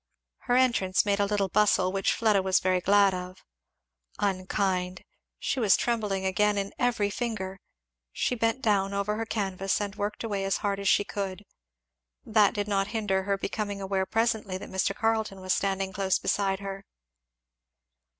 Her entrance made a little bustle, which Fleda was very glad of. Unkind! She was trembling again in every finger. She bent down over her canvas and worked away as hard as she could. That did not hinder her becoming aware presently that Mr. Carleton was standing close beside her.